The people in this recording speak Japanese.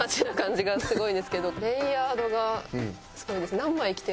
レイヤードがすごいですね。